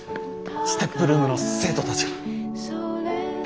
ＳＴＥＰルームの生徒たちが。